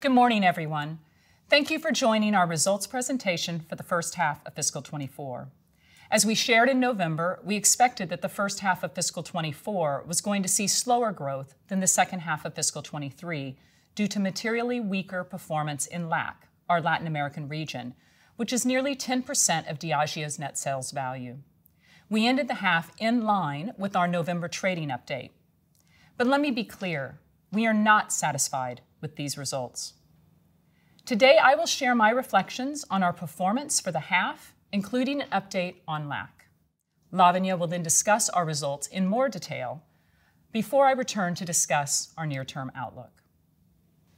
Good morning, everyone. Thank you for joining our results presentation for the first half of fiscal 2024. As we shared in November, we expected that the first half of fiscal 2024 was going to see slower growth than the second half of fiscal 2023 due to materially weaker performance in LAC, our Latin American region, which is nearly 10% of Diageo's net sales value. We ended the half in line with our November trading update. But let me be clear, we are not satisfied with these results. Today, I will share my reflections on our performance for the half, including an update on LAC. Lavanya will then discuss our results in more detail before I return to discuss our near-term outlook.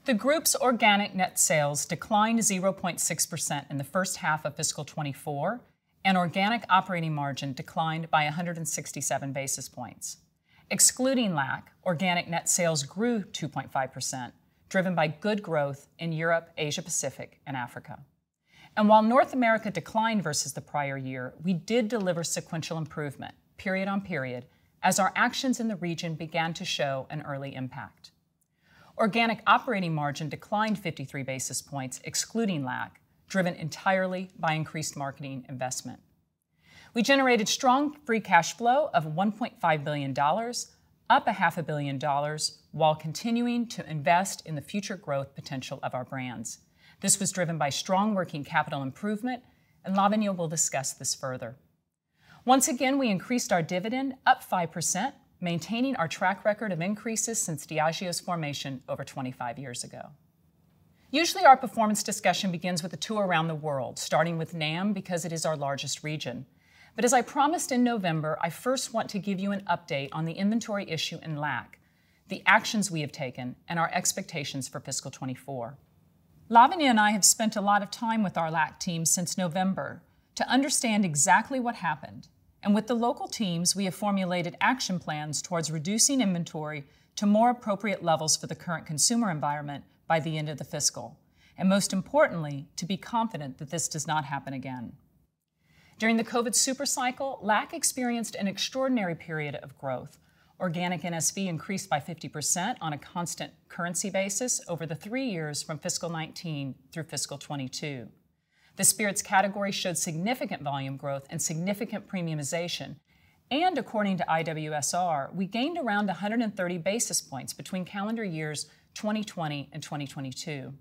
The group's organic net sales declined 0.6% in the first half of fiscal 2024, and organic operating margin declined by 167 basis points. Excluding LAC, organic net sales grew 2.5%, driven by good growth in Europe, Asia Pacific and Africa. And while North America declined versus the prior year, we did deliver sequential improvement, period on period, as our actions in the region began to show an early impact. Organic operating margin declined 53 basis points, excluding LAC, driven entirely by increased marketing investment. We generated strong free cash flow of $1.5 billion, up $0.5 billion, while continuing to invest in the future growth potential of our brands. This was driven by strong working capital improvement, and Lavanya will discuss this further. Once again, we increased our dividend up 5%, maintaining our track record of increases since Diageo's formation over 25 years ago. Usually, our performance discussion begins with a tour around the world, starting with NAM, because it is our largest region. But as I promised in November, I first want to give you an update on the inventory issue in LAC, the actions we have taken, and our expectations for fiscal 2024. Lavanya and I have spent a lot of time with our LAC team since November to understand exactly what happened, and with the local teams, we have formulated action plans towards reducing inventory to more appropriate levels for the current consumer environment by the end of the fiscal, and most importantly, to be confident that this does not happen again. During the COVID super cycle, LAC experienced an extraordinary period of growth. Organic NSV increased by 50% on a constant currency basis over the three years from fiscal 2019 through fiscal 2022. The spirits category showed significant volume growth and significant premiumization, and according to IWSR, we gained around 130 basis points between calendar years 2020 and 2022. The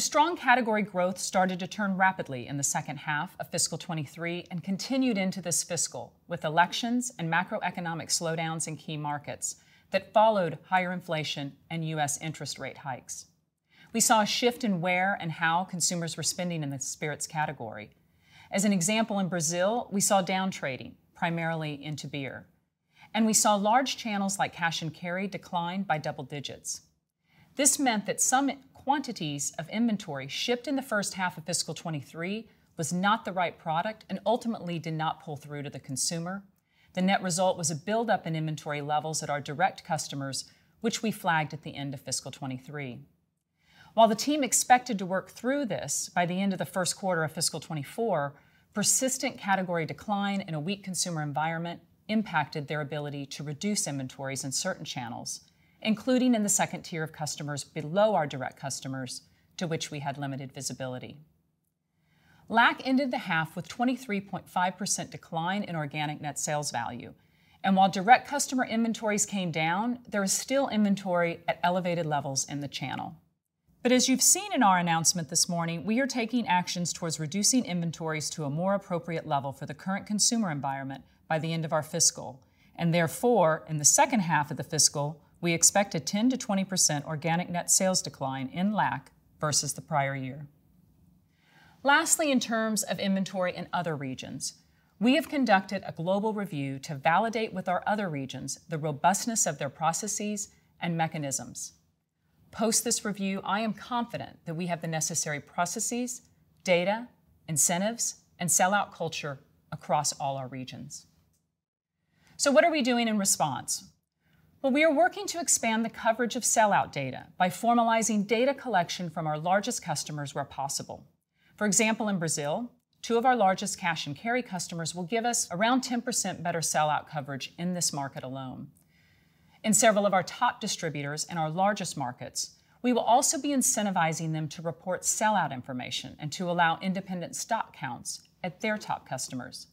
strong category growth started to turn rapidly in the second half of fiscal 2023 and continued into this fiscal, with elections and macroeconomic slowdowns in key markets that followed higher inflation and U.S. interest rate hikes. We saw a shift in where and how consumers were spending in the spirits category. As an example, in Brazil, we saw downtrading primarily into beer, and we saw large channels like Cash & Carry decline by double digits. This meant that some quantities of inventory shipped in the first half of fiscal 2023 was not the right product and ultimately did not pull through to the consumer. The net result was a buildup in inventory levels at our direct customers, which we flagged at the end of fiscal 2023. While the team expected to work through this by the end of the first quarter of fiscal 2024, persistent category decline in a weak consumer environment impacted their ability to reduce inventories in certain channels, including in the second tier of customers below our direct customers to which we had limited visibility. LAC ended the half with 23.5% decline in organic net sales value, and while direct customer inventories came down, there is still inventory at elevated levels in the channel. But as you've seen in our announcement this morning, we are taking actions towards reducing inventories to a more appropriate level for the current consumer environment by the end of our fiscal. And therefore, in the second half of the fiscal, we expect a 10%-20% organic net sales decline in LAC versus the prior year. Lastly, in terms of inventory in other regions, we have conducted a global review to validate with our other regions the robustness of their processes and mechanisms. Post this review, I am confident that we have the necessary processes, data, incentives, and sell-out culture across all our regions. So what are we doing in response? Well, we are working to expand the coverage of sell-out data by formalizing data collection from our largest customers where possible. For example, in Brazil, two of our largest Cash & Carry customers will give us around 10% better sell-out coverage in this market alone. In several of our top distributors in our largest markets, we will also be incentivizing them to report sell-out information and to allow independent stock counts at their top customers.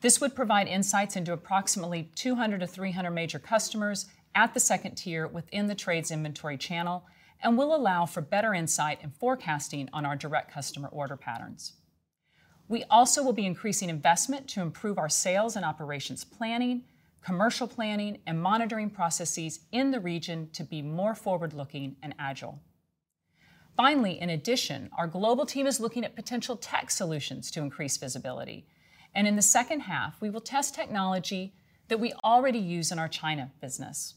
This would provide insights into approximately 200-300 major customers at the second tier within the trades inventory channel and will allow for better insight and forecasting on our direct customer order patterns. We also will be increasing investment to improve our sales and operations planning, commercial planning, and monitoring processes in the region to be more forward-looking and agile. Finally, in addition, our global team is looking at potential tech solutions to increase visibility, and in the second half, we will test technology that we already use in our China business.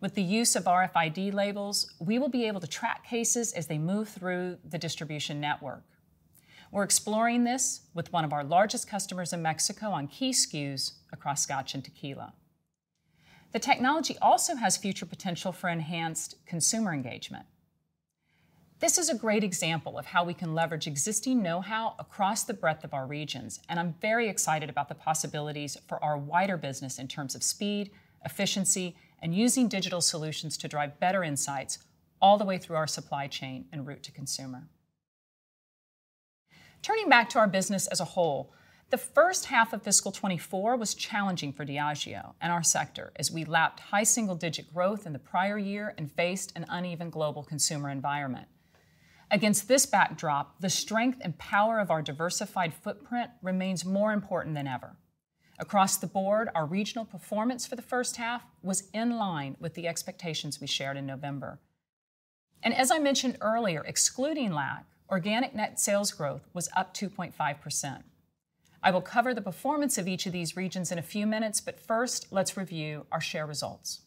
With the use of RFID labels, we will be able to track cases as they move through the distribution network. We're exploring this with one of our largest customers in Mexico on key SKUs across Scotch and Tequila. The technology also has future potential for enhanced consumer engagement. This is a great example of how we can leverage existing know-how across the breadth of our regions, and I'm very excited about the possibilities for our wider business in terms of speed, efficiency, and using digital solutions to drive better insights all the way through our supply chain and route to consumer. Turning back to our business as a whole, the first half of fiscal 2024 was challenging for Diageo and our sector as we lapped high single-digit growth in the prior year and faced an uneven global consumer environment. Against this backdrop, the strength and power of our diversified footprint remains more important than ever. Across the board, our regional performance for the first half was in line with the expectations we shared in November. As I mentioned earlier, excluding LAC, organic net sales growth was up 2.5%. I will cover the performance of each of these regions in a few minutes, but first, let's review our share results.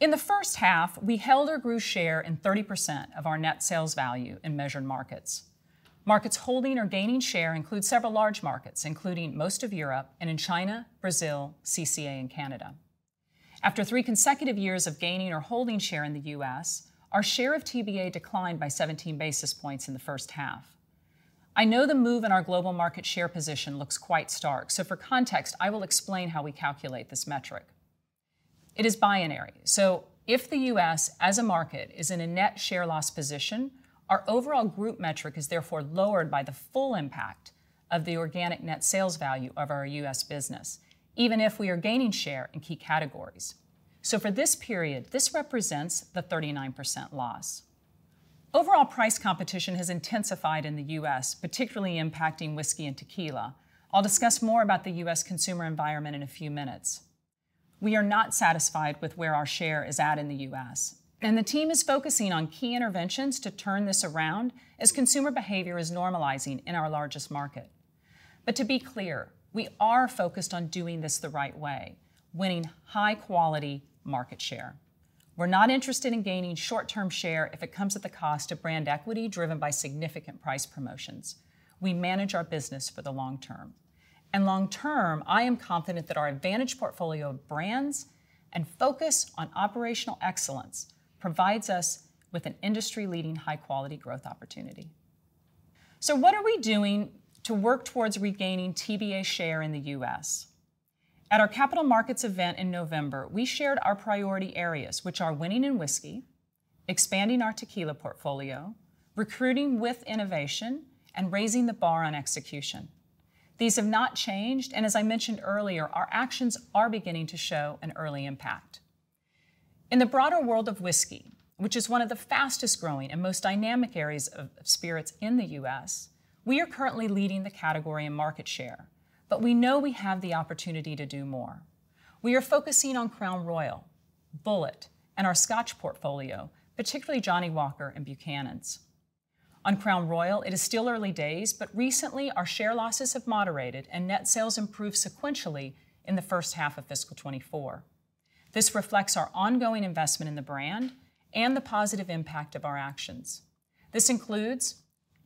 In the first half, we held or grew share in 30% of our net sales value in measured markets. Markets holding or gaining share include several large markets, including most of Europe and in China, Brazil, CCA, and Canada. After three consecutive years of gaining or holding share in the U.S., our share of TBA declined by 17 basis points in the first half. I know the move in our global market share position looks quite stark, so for context, I will explain how we calculate this metric. It is binary, so if the U.S., as a market, is in a net share loss position, our overall group metric is therefore lowered by the full impact of the organic net sales value of our U.S. business, even if we are gaining share in key categories. So for this period, this represents the 39% loss. Overall price competition has intensified in the U.S., particularly impacting whiskey and tequila. I'll discuss more about the U.S. consumer environment in a few minutes. We are not satisfied with where our share is at in the U.S., and the team is focusing on key interventions to turn this around as consumer behavior is normalizing in our largest market. But to be clear, we are focused on doing this the right way, winning high-quality market share. We're not interested in gaining short-term share if it comes at the cost of brand equity driven by significant price promotions. We manage our business for the long term. Long term, I am confident that our advantage portfolio of brands and focus on operational excellence provides us with an industry-leading, high-quality growth opportunity. So what are we doing to work towards regaining TBA share in the U.S.? At our capital markets event in November, we shared our priority areas, which are winning in whiskey, expanding our tequila portfolio, recruiting with innovation, and raising the bar on execution. These have not changed, and as I mentioned earlier, our actions are beginning to show an early impact. In the broader world of whiskey, which is one of the fastest-growing and most dynamic areas of spirits in the U.S., we are currently leading the category in market share, but we know we have the opportunity to do more. We are focusing on Crown Royal, Bulleit, and our Scotch portfolio, particularly Johnnie Walker and Buchanan's. On Crown Royal, it is still early days, but recently, our share losses have moderated and net sales improved sequentially in the first half of fiscal 2024. This reflects our ongoing investment in the brand and the positive impact of our actions. This includes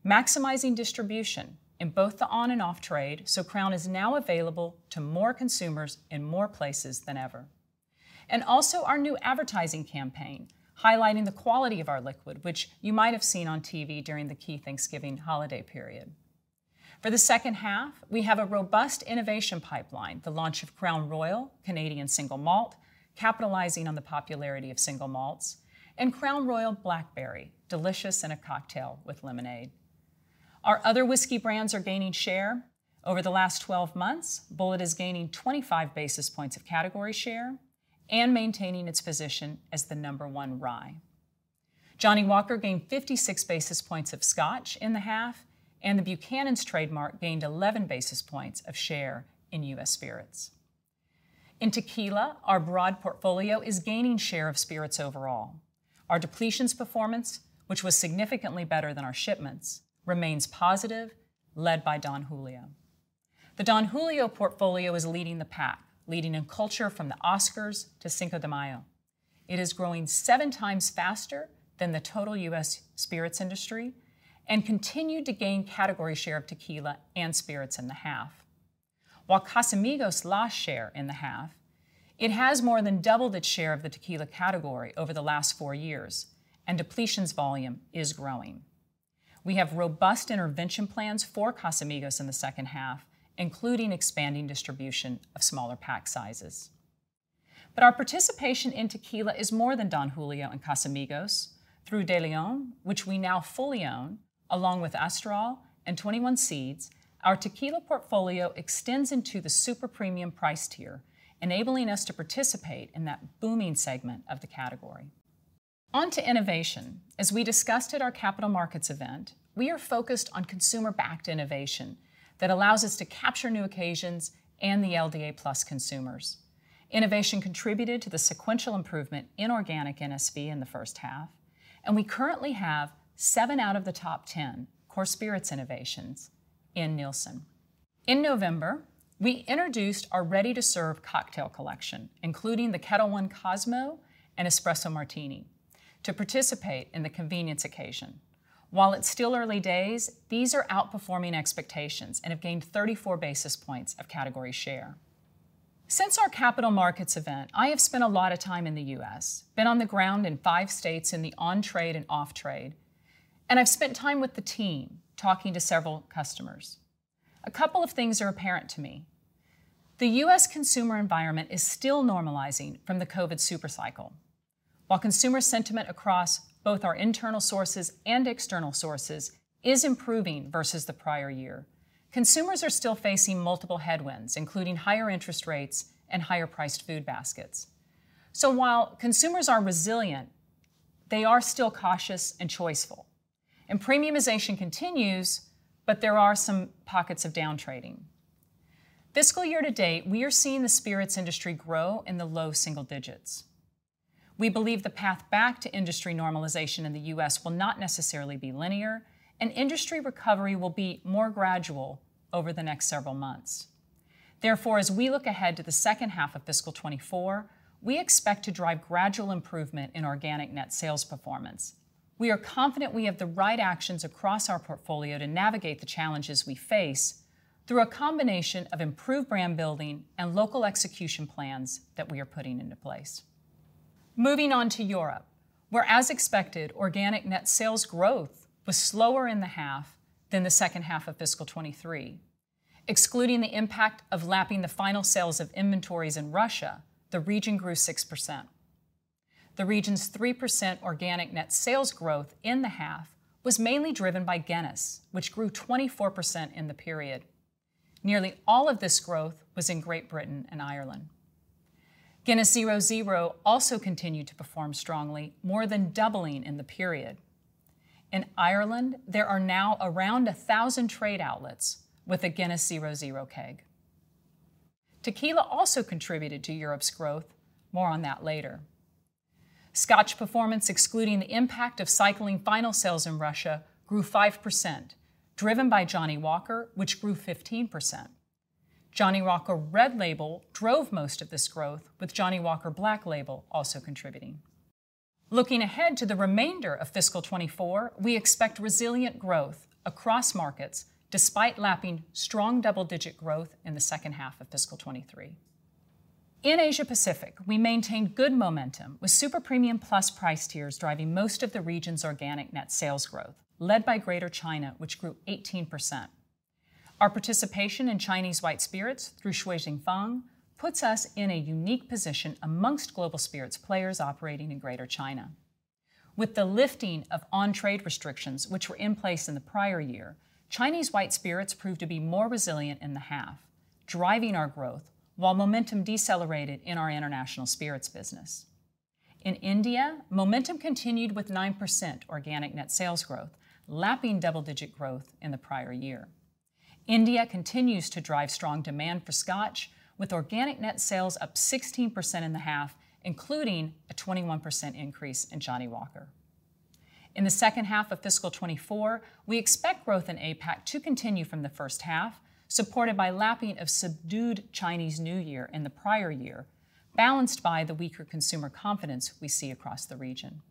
maximizing distribution in both the on and off trade, so Crown is now available to more consumers in more places than ever. And also, our new advertising campaign, highlighting the quality of our liquid, which you might have seen on TV during the key Thanksgiving holiday period. For the second half, we have a robust innovation pipeline: the launch of Crown Royal Canadian Single Malt, capitalizing on the popularity of single malts, and Crown Royal Blackberry, delicious in a cocktail with lemonade. Our other whiskey brands are gaining share. Over the last 12 months, Bulleit is gaining 25 basis points of category share and maintaining its position as the number one rye. Johnnie Walker gained 56 basis points of Scotch in the half, and the Buchanan's trademark gained 11 basis points of share in U.S. spirits. In tequila, our broad portfolio is gaining share of spirits overall. Our depletions performance, which was significantly better than our shipments, remains positive, led by Don Julio. The Don Julio portfolio is leading the pack, leading in culture from the Oscars to Cinco de Mayo. It is growing 7x faster than the total U.S. spirits industry and continued to gain category share of tequila and spirits in the half. While Casamigos lost share in the half, it has more than doubled its share of the tequila category over the last four years, and depletions volume is growing. We have robust intervention plans for Casamigos in the second half, including expanding distribution of smaller pack sizes. But our participation in tequila is more than Don Julio and Casamigos. Through DeLeón, which we now fully own, along with Astral and 21 Seeds, our tequila portfolio extends into the super premium price tier, enabling us to participate in that booming segment of the category. On to innovation. As we discussed at our capital markets event, we are focused on consumer-backed innovation that allows us to capture new occasions and the LDA+ consumers. Innovation contributed to the sequential improvement in organic NSV in the first half, and we currently have seven out of the top 10 core spirits innovations in Nielsen. In November, we introduced our ready-to-serve cocktail collection, including the Ketel One Cosmo and Espresso Martini, to participate in the convenience occasion. While it's still early days, these are outperforming expectations and have gained 34 basis points of category share. Since our capital markets event, I have spent a lot of time in the U.S., been on the ground in five states in the on-trade and off-trade, and I've spent time with the team, talking to several customers. A couple of things are apparent to me. The U.S. consumer environment is still normalizing from the COVID super cycle. While consumer sentiment across both our internal sources and external sources is improving versus the prior year, consumers are still facing multiple headwinds, including higher interest rates and higher-priced food baskets. So while consumers are resilient, they are still cautious and choiceful, and premiumization continues, but there are some pockets of down trading. Fiscal year to date, we are seeing the spirits industry grow in the low single digits. We believe the path back to industry normalization in the U.S. will not necessarily be linear, and industry recovery will be more gradual over the next several months. Therefore, as we look ahead to the second half of fiscal 2024, we expect to drive gradual improvement in organic net sales performance. We are confident we have the right actions across our portfolio to navigate the challenges we face through a combination of improved brand building and local execution plans that we are putting into place. Moving on to Europe, where, as expected, organic net sales growth was slower in the half than the second half of fiscal 2023. Excluding the impact of lapping the final sales of inventories in Russia, the region grew 6%. The region's 3% organic net sales growth in the half was mainly driven by Guinness, which grew 24% in the period. Nearly all of this growth was in Great Britain and Ireland. Guinness Zero Zero also continued to perform strongly, more than doubling in the period. In Ireland, there are now around 1,000 trade outlets with a Guinness Zero Zero keg. Tequila also contributed to Europe's growth. More on that later. Scotch performance, excluding the impact of cycling final sales in Russia, grew 5%, driven by Johnnie Walker, which grew 15%. Johnnie Walker Red Label drove most of this growth, with Johnnie Walker Black Label also contributing. Looking ahead to the remainder of fiscal 2024, we expect resilient growth across markets despite lapping strong double-digit growth in the second half of fiscal 2023. In Asia Pacific, we maintained good momentum, with super premium plus price tiers driving most of the region's organic net sales growth, led by Greater China, which grew 18%. Our participation in Chinese White Spirits through Shui Jing Fang puts us in a unique position amongst global spirits players operating in Greater China. With the lifting of on-trade restrictions, which were in place in the prior year, Chinese White Spirits proved to be more resilient in the half, driving our growth while momentum decelerated in our international spirits business. In India, momentum continued with 9% organic net sales growth, lapping double-digit growth in the prior year. India continues to drive strong demand for Scotch, with organic net sales up 16% in the half, including a 21% increase in Johnnie Walker. In the second half of fiscal 2024, we expect growth in APAC to continue from the first half, supported by lapping of subdued Chinese New Year in the prior year, balanced by the weaker consumer confidence we see across the region.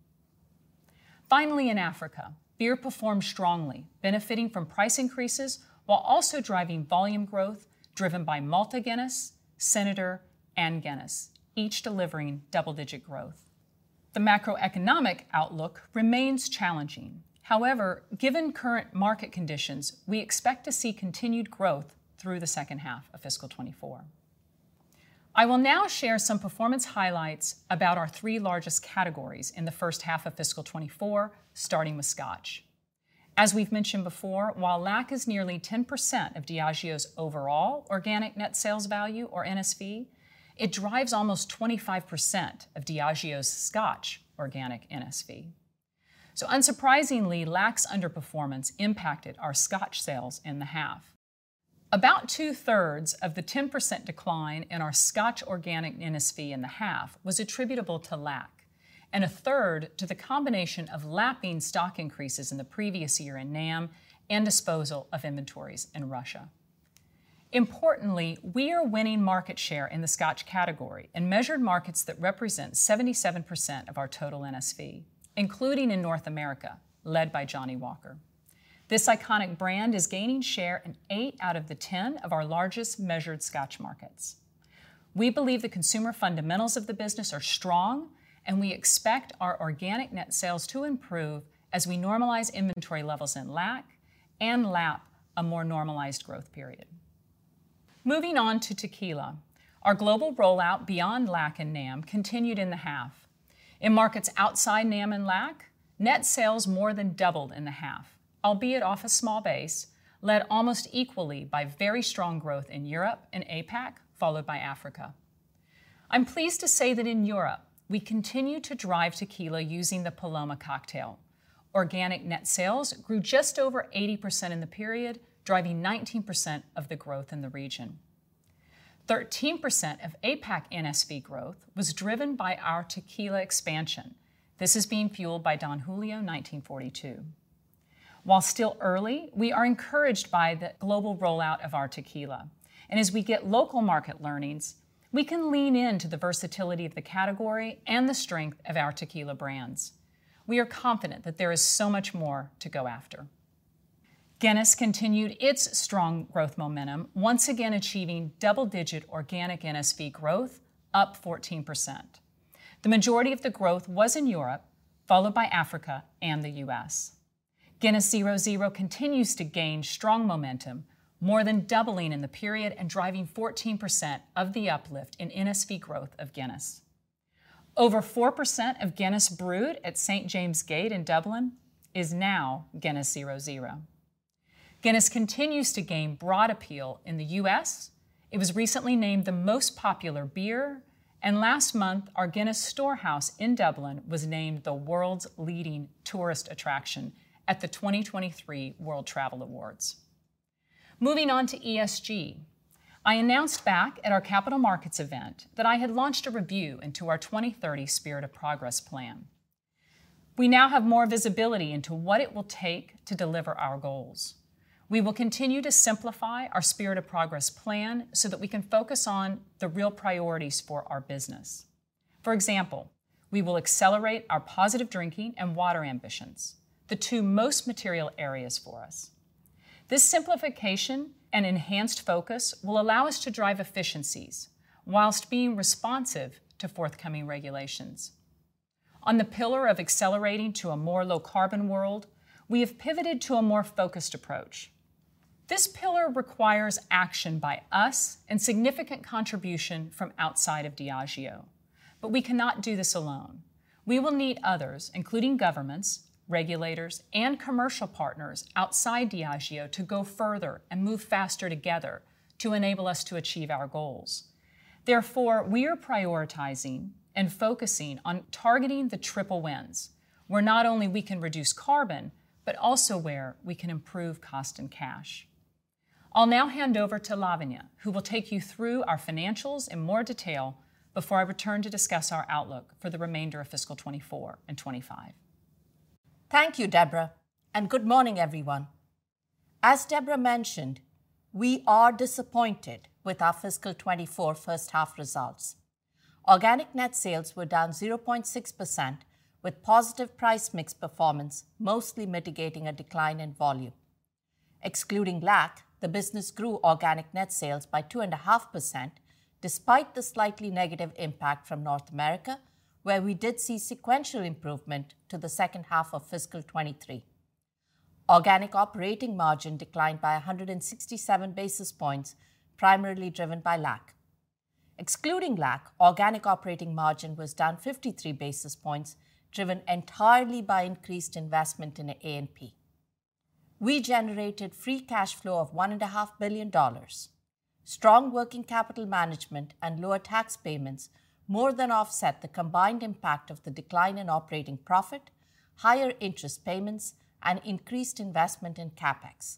Finally, in Africa, beer performed strongly, benefiting from price increases while also driving volume growth driven by Malta Guinness, Senator, and Guinness, each delivering double-digit growth. The macroeconomic outlook remains challenging. However, given current market conditions, we expect to see continued growth through the second half of fiscal 2024. I will now share some performance highlights about our three largest categories in the first half of fiscal 2024, starting with Scotch. As we've mentioned before, while LAC is nearly 10% of Diageo's overall organic net sales value or NSV, it drives almost 25% of Diageo's Scotch organic NSV. So unsurprisingly, LAC's underperformance impacted our Scotch sales in the half. About 2/3 of the 10% decline in our Scotch organic NSV in the half was attributable to LAC, and 1/3 to the combination of lapping stock increases in the previous year in NAM and disposal of inventories in Russia. Importantly, we are winning market share in the Scotch category in measured markets that represent 77% of our total NSV, including in North America, led by Johnnie Walker. This iconic brand is gaining share in eight out of the 10 of our largest measured Scotch markets. We believe the consumer fundamentals of the business are strong, and we expect our organic net sales to improve as we normalize inventory levels in LAC and lap a more normalized growth period. Moving on to tequila, our global rollout beyond LAC and NAM continued in the half. In markets outside NAM and LAC, net sales more than doubled in the half, albeit off a small base, led almost equally by very strong growth in Europe and APAC, followed by Africa. I'm pleased to say that in Europe, we continue to drive tequila using the Paloma cocktail. Organic net sales grew just over 80% in the period, driving 19% of the growth in the region. 13% of APAC NSV growth was driven by our tequila expansion. This is being fueled by Don Julio 1942. While still early, we are encouraged by the global rollout of our tequila, and as we get local market learnings, we can lean into the versatility of the category and the strength of our tequila brands. We are confident that there is so much more to go after. Guinness continued its strong growth momentum, once again achieving double-digit organic NSV growth, up 14%. The majority of the growth was in Europe, followed by Africa and the U.S. Guinness Zero Zero continues to gain strong momentum, more than doubling in the period and driving 14% of the uplift in NSV growth of Guinness. Over 4% of Guinness brewed at St. James's Gate in Dublin is now Guinness Zero Zero. Guinness continues to gain broad appeal in the U.S. It was recently named the most popular beer, and last month, our Guinness Storehouse in Dublin was named the world's leading tourist attraction at the 2023 World Travel Awards. Moving on to ESG, I announced back at our capital markets event that I had launched a review into our 2030 Spirit of Progress plan. We now have more visibility into what it will take to deliver our goals. We will continue to simplify our Spirit of Progress plan so that we can focus on the real priorities for our business. For example, we will accelerate our positive drinking and water ambitions, the two most material areas for us. This simplification and enhanced focus will allow us to drive efficiencies while being responsive to forthcoming regulations. On the pillar of accelerating to a more low-carbon world, we have pivoted to a more focused approach. This pillar requires action by us and significant contribution from outside of Diageo, but we cannot do this alone. We will need others, including governments, regulators, and commercial partners outside Diageo, to go further and move faster together to enable us to achieve our goals. Therefore, we are prioritising and focusing on targeting the triple wins, where not only we can reduce carbon, but also where we can improve cost and cash. I'll now hand over to Lavanya, who will take you through our financials in more detail before I return to discuss our outlook for the remainder of fiscal 2024 and 2025. Thank you, Debra, and good morning, everyone. As Debra mentioned, we are disappointed with our fiscal 2024 first half results. Organic net sales were down 0.6%, with positive price mix performance, mostly mitigating a decline in volume. Excluding LAC, the business grew organic net sales by 2.5%, despite the slightly negative impact from North America, where we did see sequential improvement to the second half of fiscal 2023. Organic operating margin declined by 167 basis points, primarily driven by LAC. Excluding LAC, organic operating margin was down 53 basis points, driven entirely by increased investment in A&P. We generated free cash flow of $1.5 billion. Strong working capital management and lower tax payments more than offset the combined impact of the decline in operating profit, higher interest payments, and increased investment in CapEx.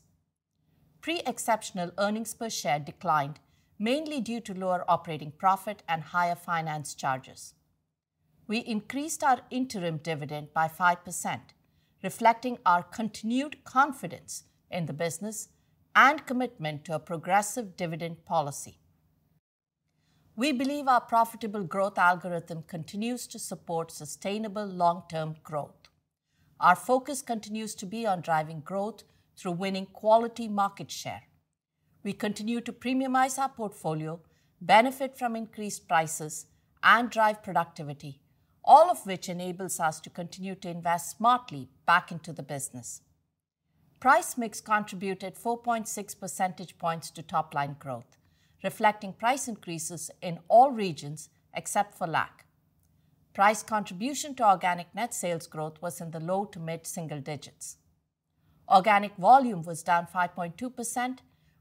Pre-exceptional earnings per share declined, mainly due to lower operating profit and higher finance charges. We increased our interim dividend by 5%, reflecting our continued confidence in the business and commitment to a progressive dividend policy. We believe our profitable growth algorithm continues to support sustainable long-term growth. Our focus continues to be on driving growth through winning quality market share. We continue to premiumize our portfolio, benefit from increased prices, and drive productivity, all of which enables us to continue to invest smartly back into the business. Price mix contributed 4.6 percentage points to top-line growth, reflecting price increases in all regions except for LAC. Price contribution to organic net sales growth was in the low to mid-single digits. Organic volume was down 5.2%,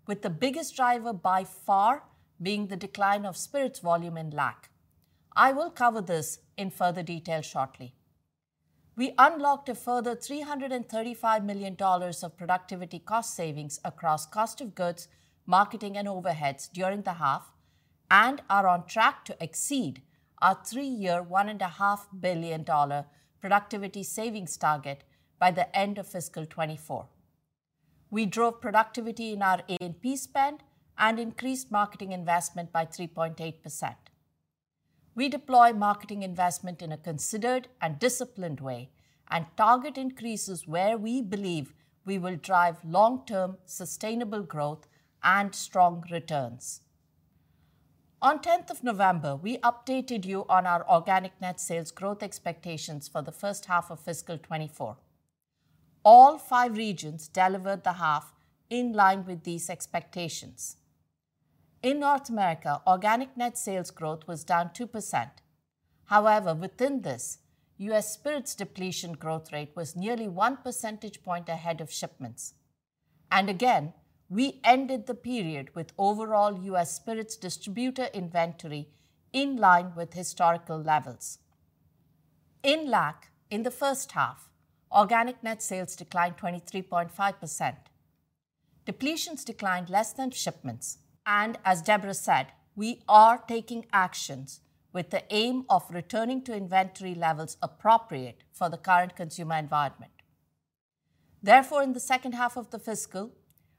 with the biggest driver by far being the decline of spirits volume in LAC. I will cover this in further detail shortly. We unlocked a further $335 million of productivity cost savings across cost of goods, marketing, and overheads during the half and are on track to exceed our three-year, $1.5 billion productivity savings target by the end of fiscal 2024. We drove productivity in our A&P spend and increased marketing investment by 3.8%. We deploy marketing investment in a considered and disciplined way and target increases where we believe we will drive long-term, sustainable growth and strong returns. On 10th of November, we updated you on our organic net sales growth expectations for the first half of fiscal 2024. All five regions delivered the half in line with these expectations. In North America, organic net sales growth was down 2%. However, within this, U.S. spirits depletion growth rate was nearly one percentage point ahead of shipments. Again, we ended the period with overall U.S. spirits distributor inventory in line with historical levels. In LAC, in the first half, organic net sales declined 23.5%. Depletions declined less than shipments, and as Debra said, we are taking actions with the aim of returning to inventory levels appropriate for the current consumer environment. Therefore, in the second half of the fiscal,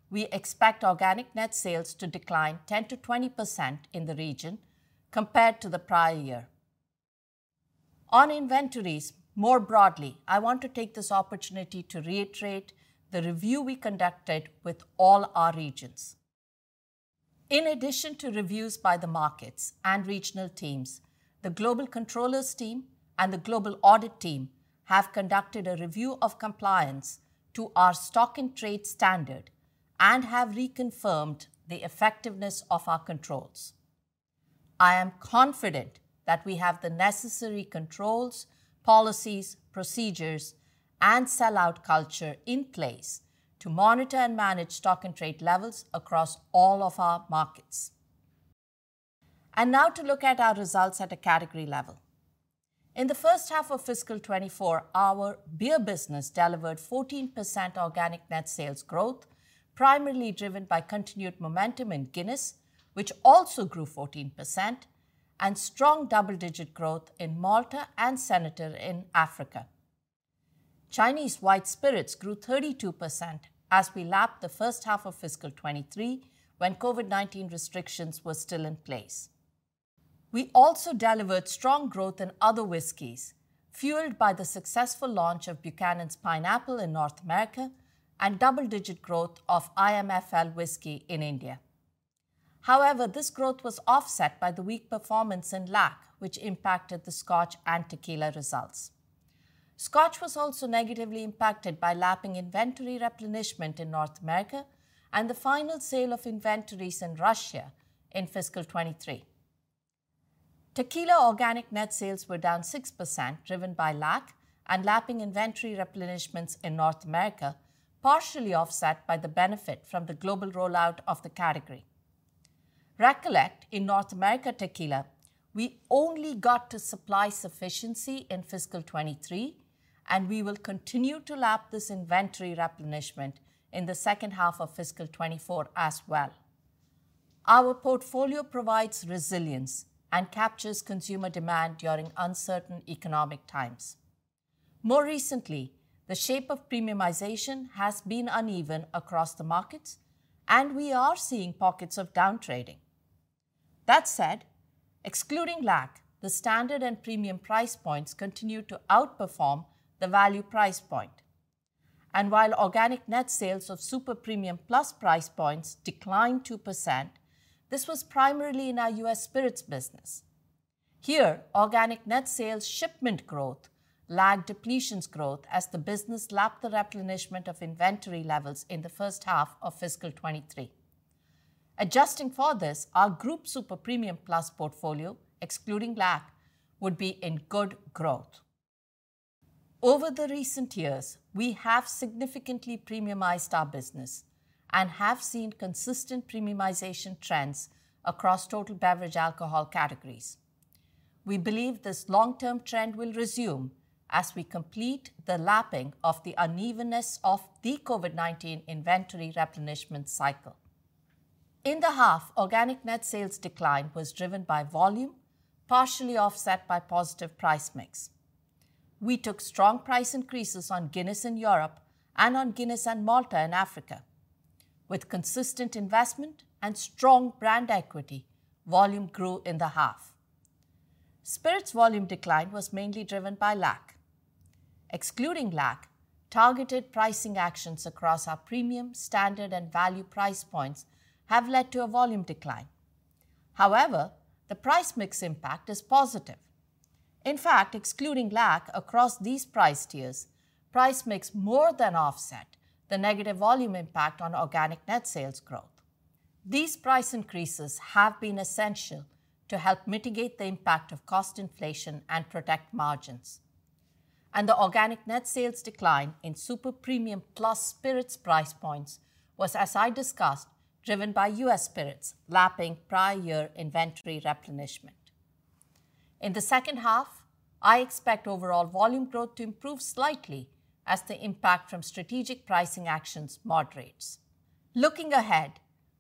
we expect organic net sales to decline 10%-20% in the region compared to the prior year. On inventories, more broadly, I want to take this opportunity to reiterate the review we conducted with all our regions. In addition to reviews by the markets and regional teams, the global controllers team and the global audit team have conducted a review of compliance to our stock-in-trade standard and have reconfirmed the effectiveness of our controls. I am confident that we have the necessary controls, policies, procedures, and sell-out culture in place to monitor and manage stock-in-trade levels across all of our markets. Now to look at our results at a category level. In the first half of fiscal 2024, our beer business delivered 14% organic net sales growth, primarily driven by continued momentum in Guinness, which also grew 14%, and strong double-digit growth in Malta and Senator in Africa. Chinese White Spirits grew 32% as we lapped the first half of fiscal 2023, when COVID-19 restrictions were still in place. We also delivered strong growth in other whiskeys, fueled by the successful launch of Buchanan's Pineapple in North America and double-digit growth of IMFL whiskey in India. However, this growth was offset by the weak performance in LAC, which impacted the Scotch and tequila results. Scotch was also negatively impacted by lapping inventory replenishment in North America and the final sale of inventories in Russia in fiscal 2023. Tequila organic net sales were down 6%, driven by LAC and lapping inventory replenishments in North America, partially offset by the benefit from the global rollout of the category. Recall, in North America, tequila, we only got to supply sufficiency in fiscal 2023, and we will continue to lap this inventory replenishment in the second half of fiscal 2024 as well. Our portfolio provides resilience and captures consumer demand during uncertain economic times. More recently, the shape of premiumization has been uneven across the markets, and we are seeing pockets of downtrading. That said, excluding LAC, the standard and premium price points continued to outperform the value price point. And while organic net sales of super premium plus price points declined 2%, this was primarily in our U.S. Spirits business. Here, organic net sales shipment growth lagged depletions growth as the business lapped the replenishment of inventory levels in the first half of fiscal 2023. Adjusting for this, our group super premium plus portfolio, excluding LAC, would be in good growth. Over the recent years, we have significantly premiumized our business and have seen consistent premiumization trends across total beverage alcohol categories. We believe this long-term trend will resume as we complete the lapping of the unevenness of the COVID-19 inventory replenishment cycle. In the half, organic net sales decline was driven by volume, partially offset by positive price mix. We took strong price increases on Guinness in Europe and on Guinness and Malta in Africa. With consistent investment and strong brand equity, volume grew in the half. Spirits volume decline was mainly driven by LAC. Excluding LAC, targeted pricing actions across our premium, standard, and value price points have led to a volume decline. However, the price mix impact is positive. In fact, excluding LAC across these price tiers, price makes more than offset the negative volume impact on organic net sales growth. These price increases have been essential to help mitigate the impact of cost inflation and protect margins. The organic net sales decline in super premium plus spirits price points was, as I discussed, driven by U.S. Spirits lapping prior year inventory replenishment. In the second half, I expect overall volume growth to improve slightly as the impact from strategic pricing actions moderates. Looking ahead,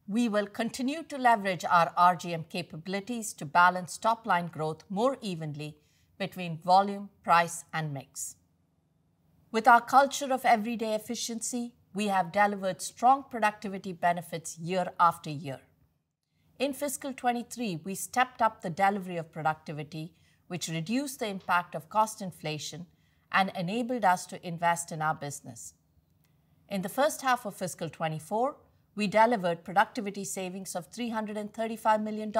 we will continue to leverage our RGM capabilities to balance top-line growth more evenly between volume, price, and mix. With our culture of everyday efficiency, we have delivered strong productivity benefits year after year. In fiscal 2023, we stepped up the delivery of productivity, which reduced the impact of cost inflation and enabled us to invest in our business. In the first half of fiscal 2024, we delivered productivity savings of $335 million,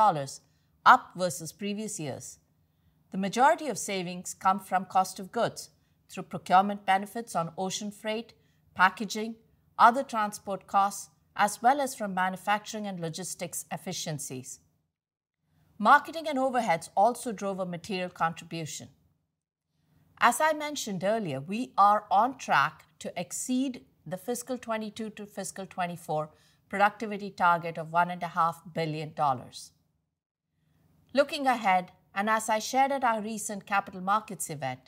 up versus previous years. The majority of savings come from cost of goods through procurement benefits on ocean freight, packaging, other transport costs, as well as from manufacturing and logistics efficiencies. Marketing and overheads also drove a material contribution. As I mentioned earlier, we are on track to exceed the fiscal 2022 to fiscal 2024 productivity target of $1.5 billion. Looking ahead, and as I shared at our recent capital markets event,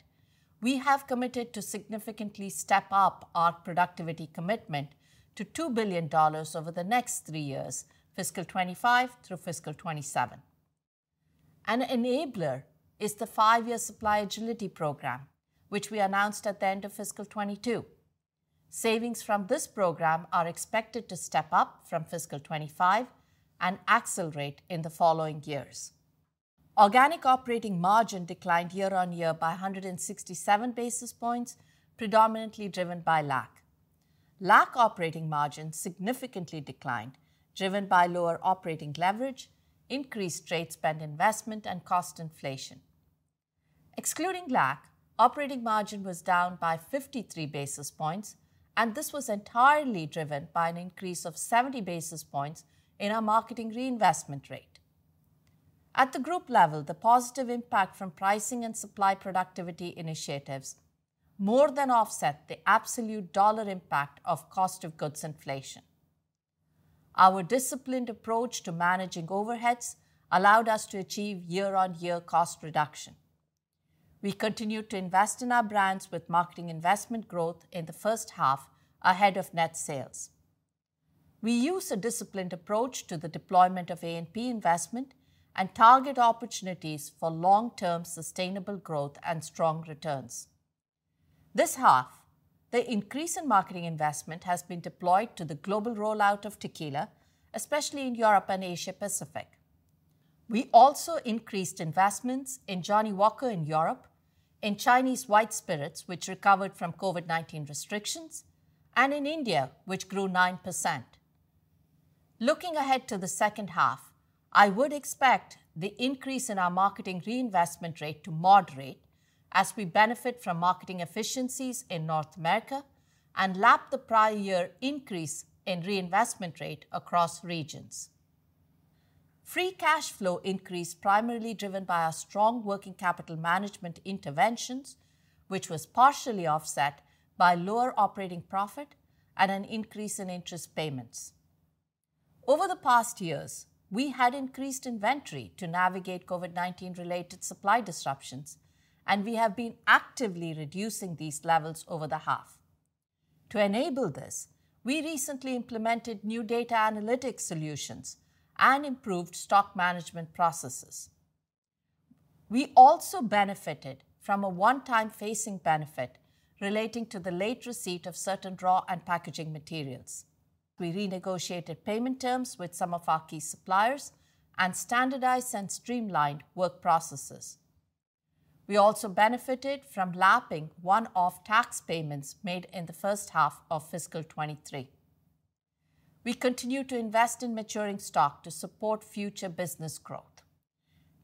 we have committed to significantly step up our productivity commitment to $2 billion over the next three years, fiscal 2025 through fiscal 2027. An enabler is the five year Supply Agility Program, which we announced at the end of fiscal 2022. Savings from this program are expected to step up from fiscal 2025 and accelerate in the following years. Organic operating margin declined year-on-year by 167 basis points, predominantly driven by LAC. LAC operating margin significantly declined, driven by lower operating leverage, increased trade spend investment, and cost inflation. Excluding LAC, operating margin was down by 53 basis points, and this was entirely driven by an increase of 70 basis points in our marketing reinvestment rate. At the group level, the positive impact from pricing and supply productivity initiatives more than offset the absolute dollar impact of cost of goods inflation. Our disciplined approach to managing overheads allowed us to achieve year-on-year cost reduction. We continued to invest in our brands with marketing investment growth in the first half ahead of net sales. We use a disciplined approach to the deployment of A&P investment and target opportunities for long-term sustainable growth and strong returns. This half, the increase in marketing investment has been deployed to the global rollout of Tequila, especially in Europe and Asia Pacific. We also increased investments in Johnnie Walker in Europe, in Chinese White Spirits, which recovered from COVID-19 restrictions, and in India, which grew 9%. Looking ahead to the second half, I would expect the increase in our marketing reinvestment rate to moderate as we benefit from marketing efficiencies in North America and lap the prior year increase in reinvestment rate across regions. Free Cash Flow increased primarily driven by our strong working capital management interventions, which was partially offset by lower operating profit and an increase in interest payments. Over the past years, we had increased inventory to navigate COVID-19-related supply disruptions, and we have been actively reducing these levels over the half. To enable this, we recently implemented new data analytics solutions and improved stock management processes. We also benefited from a one-time phasing benefit relating to the late receipt of certain raw and packaging materials. We renegotiated payment terms with some of our key suppliers and standardized and streamlined work processes. We also benefited from lapping one-off tax payments made in the first half of fiscal 2023. We continue to invest in maturing stock to support future business growth.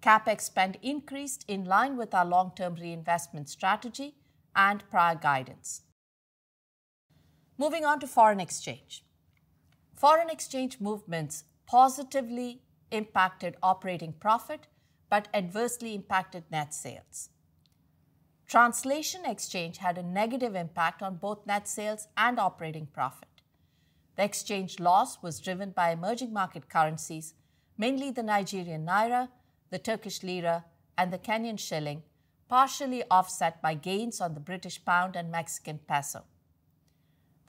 CapEx spend increased in line with our long-term reinvestment strategy and prior guidance. Moving on to foreign exchange. Foreign exchange movements positively impacted operating profit, but adversely impacted net sales. Translation exchange had a negative impact on both net sales and operating profit. The exchange loss was driven by emerging market currencies, mainly the Nigerian naira, the Turkish lira, and the Kenyan shilling, partially offset by gains on the British pound and Mexican peso.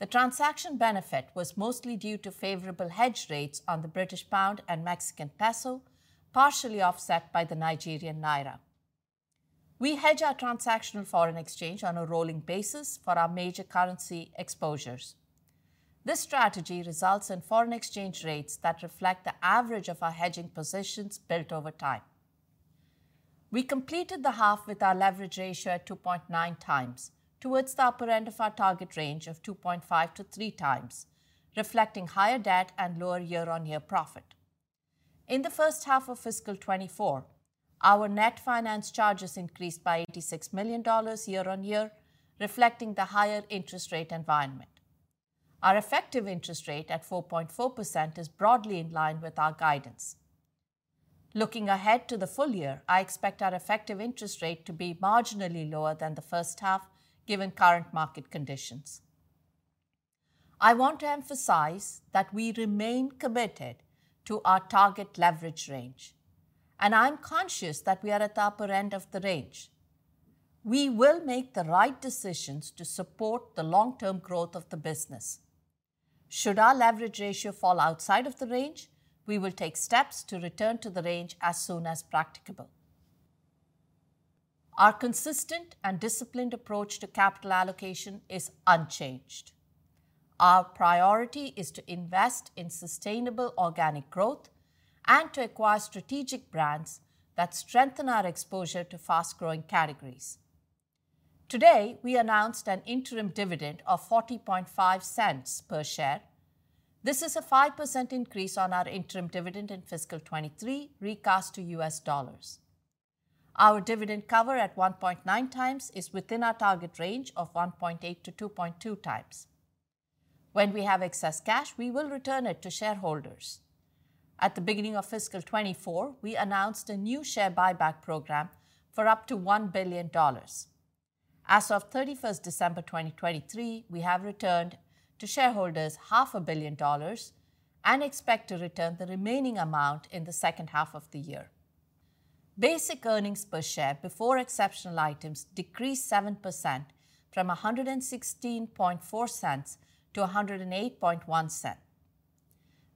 The transaction benefit was mostly due to favorable hedge rates on the British pound and Mexican peso, partially offset by the Nigerian naira. We hedge our transactional foreign exchange on a rolling basis for our major currency exposures. This strategy results in foreign exchange rates that reflect the average of our hedging positions built over time. We completed the half with our leverage ratio at 2.9x, towards the upper end of our target range of 2.5x-3x, reflecting higher debt and lower year-on-year profit. In the first half of fiscal 2024, our net finance charges increased by $86 million year-on-year, reflecting the higher interest rate environment. Our effective interest rate at 4.4% is broadly in line with our guidance. Looking ahead to the full year, I expect our effective interest rate to be marginally lower than the first half, given current market conditions. I want to emphasize that we remain committed to our target leverage range, and I'm conscious that we are at the upper end of the range. We will make the right decisions to support the long-term growth of the business. Should our leverage ratio fall outside of the range, we will take steps to return to the range as soon as practicable. Our consistent and disciplined approach to capital allocation is unchanged. Our priority is to invest in sustainable organic growth and to acquire strategic brands that strengthen our exposure to fast-growing categories. Today, we announced an interim dividend of $0.405 per share. This is a 5% increase on our interim dividend in fiscal 2023, recast to U.S. dollars. Our dividend cover at 1.9x, is within our target range of 1.8x-2.2x. When we have excess cash, we will return it to shareholders. At the beginning of fiscal 2024, we announced a new share buyback program for up to $1 billion. As of 31 December 2023, we have returned to shareholders $500 million and expect to return the remaining amount in the second half of the year. Basic earnings per share before exceptional items decreased 7% from $1.164 to $1.081.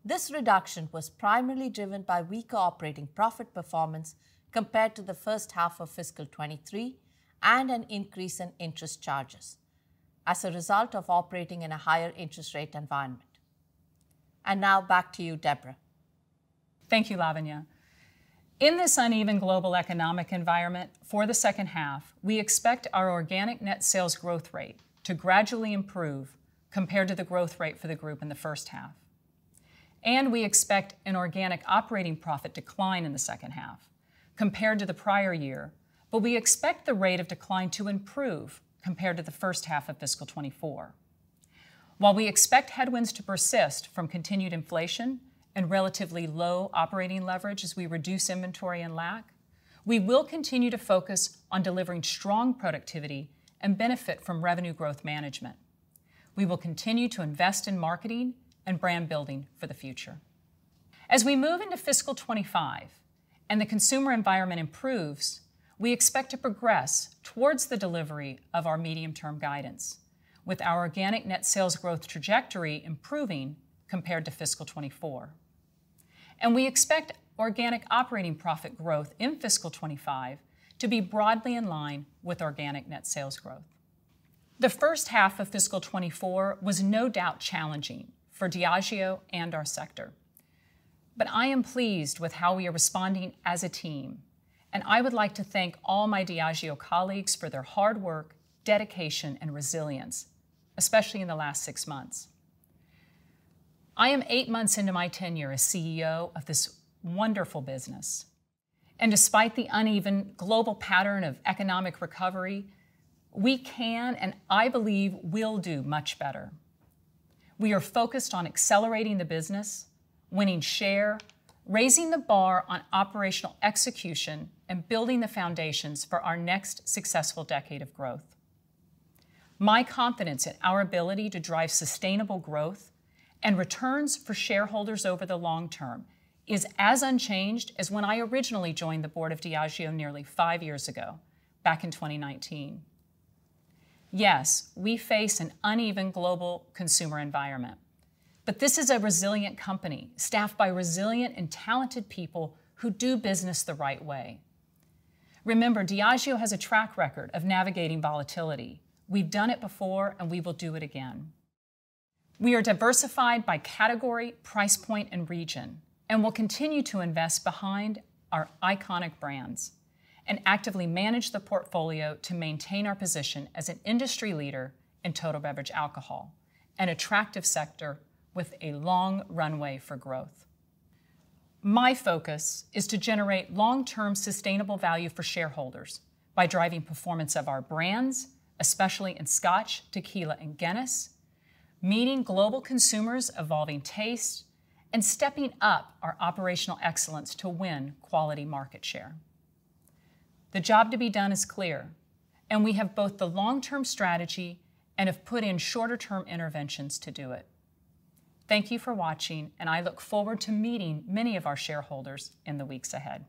This reduction was primarily driven by weaker operating profit performance compared to the first half of fiscal 2023 and an increase in interest charges as a result of operating in a higher interest rate environment. Now back to you, Debra. Thank you, Lavanya. In this uneven global economic environment, for the second half, we expect our organic net sales growth rate to gradually improve compared to the growth rate for the group in the first half. We expect an organic operating profit decline in the second half compared to the prior year, but we expect the rate of decline to improve compared to the first half of fiscal 2024. While we expect headwinds to persist from continued inflation and relatively low operating leverage as we reduce inventory and LAC, we will continue to focus on delivering strong productivity and benefit from revenue growth management. We will continue to invest in marketing and brand building for the future. As we move into fiscal 2025 and the consumer environment improves, we expect to progress towards the delivery of our medium-term guidance, with our organic net sales growth trajectory improving compared to fiscal 2024. We expect organic operating profit growth in fiscal 2025 to be broadly in line with organic net sales growth. The first half of fiscal 2024 was no doubt challenging for Diageo and our sector, but I am pleased with how we are responding as a team, and I would like to thank all my Diageo colleagues for their hard work, dedication, and resilience, especially in the last six months. I am eight months into my tenure as CEO of this wonderful business, and despite the uneven global pattern of economic recovery, we can, and I believe will do much better. We are focused on accelerating the business, winning share, raising the bar on operational execution, and building the foundations for our next successful decade of growth. My confidence in our ability to drive sustainable growth and returns for shareholders over the long term is as unchanged as when I originally joined the board of Diageo nearly five years ago, back in 2019. Yes, we face an uneven global consumer environment, but this is a resilient company, staffed by resilient and talented people who do business the right way. Remember, Diageo has a track record of navigating volatility. We've done it before, and we will do it again. We are diversified by category, price point, and region, and will continue to invest behind our iconic brands and actively manage the portfolio to maintain our position as an industry leader in total beverage alcohol, an attractive sector with a long runway for growth. My focus is to generate long-term, sustainable value for shareholders by driving performance of our brands, especially in Scotch, Tequila, and Guinness, meeting global consumers' evolving tastes, and stepping up our operational excellence to win quality market share. The job to be done is clear, and we have both the long-term strategy and have put in shorter-term interventions to do it. Thank you for watching, and I look forward to meeting many of our shareholders in the weeks ahead.